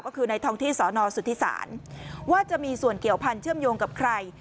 ก็คือในท้องที่สอนอสุทธิศาลว่าจะมีส่วนเกี่ยวพันธ์เชื่อมโยงกับใคร